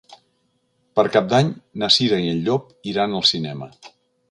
Per Cap d'Any na Cira i en Llop iran al cinema.